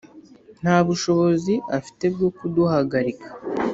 Nta bushobozi afite bwo kuduhagarika